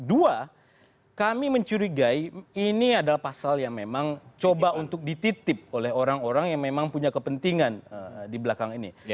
dua kami mencurigai ini adalah pasal yang memang coba untuk dititip oleh orang orang yang memang punya kepentingan di belakang ini